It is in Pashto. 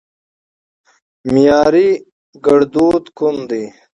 معياري ګړدود کوم دي؟